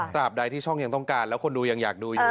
บใดที่ช่องยังต้องการแล้วคนดูยังอยากดูอยู่